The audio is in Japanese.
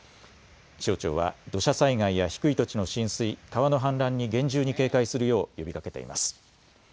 気象庁は土砂災害や低い土地の浸水、川の氾濫に厳重に警戒するよう呼びかけています。